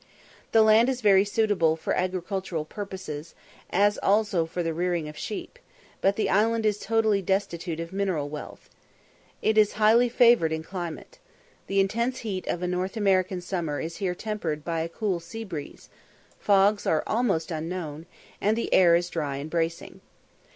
The land is very suitable for agricultural purposes, as also for the rearing of sheep; but the island is totally destitute of mineral wealth. It is highly favoured in climate. The intense heat of a North American summer is here tempered by a cool sea breeze; fogs are almost unknown, and the air is dry and bracing.